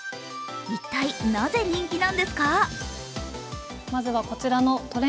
一体、なぜ人気なんですか？